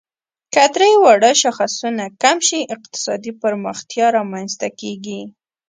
که درې واړه شاخصونه کم شي، اقتصادي پرمختیا رامنځ ته کیږي.